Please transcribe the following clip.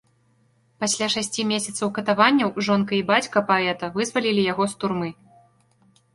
Пасля шасці месяцаў катаванняў жонка і бацька паэта вызвалілі яго з турмы.